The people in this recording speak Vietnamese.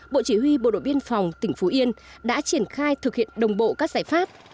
bộ chỉ huy bộ đội biên phòng tỉnh phú yên đã triển khai thực hiện đồng bộ các giải pháp